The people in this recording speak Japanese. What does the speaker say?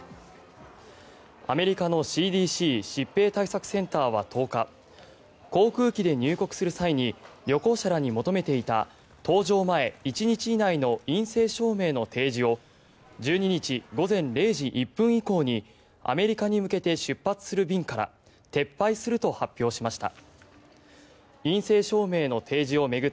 アメリカのＣＤＣ・疾病対策センターは１０日航空機で入国する際に旅行者らに求めていた搭乗前１日以内の陰性証明の提示を１２日午前０時１分以降にアメリカに向けて出発する便から撤廃すると発表しました。